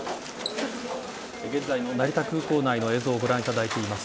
現在の成田空港内の映像をご覧いただいています。